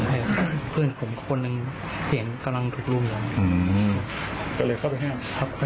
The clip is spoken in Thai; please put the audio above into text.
ไม่เคยรู้จักแต่มีเรื่องละมาก่อน